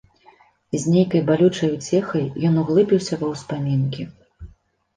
І з нейкай балючай уцехай ён углыбіўся ва ўспамінкі.